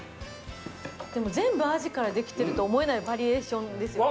でも全部アジからできてると思えないバリエーションですよね。